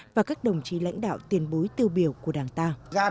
và các đồng chí lãnh đạo tiền bối tiêu biểu của đảng ta